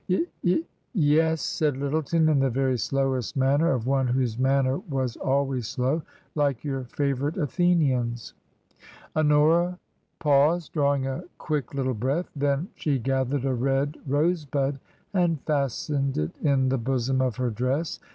" Y y yes," said Lyttleton, in the very slowest manner of one whose manner was always slow; "like your favourite Athenians," Honora paused, drawing a quick little breath; then she gathered a red rosebud and fastened it in the bosom of her dress.